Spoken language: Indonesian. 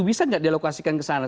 bisa nggak dialokasikan ke sana